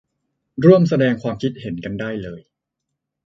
ร่วมแสดงความคิดเห็นกันได้เลย